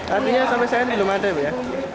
artinya sampai senin belum ada ya